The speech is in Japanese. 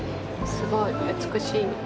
すごい、美しい。